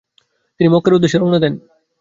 তিনি মক্কার উদ্দেশ্যে রওনা দেন।